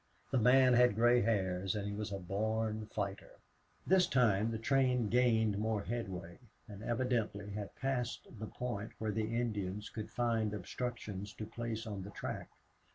The man had gray hairs and he was a born fighter. This time the train gained more headway, and evidently had passed the point where the Indians could find obstructions to place on the track.